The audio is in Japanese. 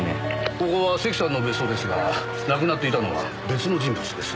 ここは関さんの別荘ですが亡くなっていたのは別の人物です。